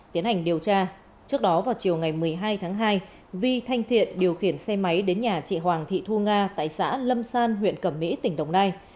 tiến hành điều tra trước đó vào chiều ngày một mươi hai tháng hai vi thanh thiện điều khiển xe máy đến nhà chị hoàng thị thu nga tại xã lâm san huyện cẩm mỹ tỉnh đồng nai